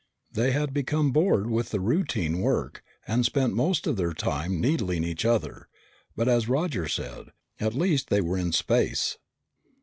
They had become bored with the routine work and spent most of their time needling each other, but as Roger said, at least they were in space.